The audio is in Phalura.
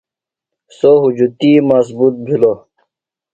سو ہُجتی مضبوط بِھلوۡ۔